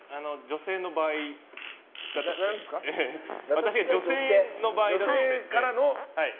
私が女性の場合だとして。